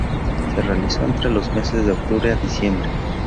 Se realizó entre los meses de octubre a diciembre.